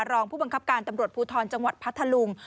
รองผู้บังคับการตำรวจภูทรจังหวัดพัทธลุง